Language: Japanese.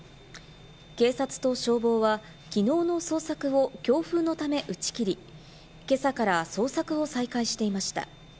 警察と消防はきのうの捜索を強風のため打ち切り、今朝から捜索を再開していました。